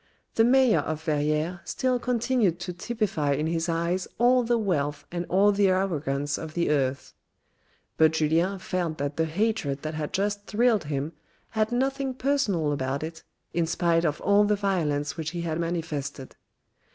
The mayor of Verrieres still continued to typify in his eyes all the wealth and all the arrogance of the earth; but Julien felt that the hatred that had just thrilled him had nothing personal about it in spite of all the violence which he had manifested.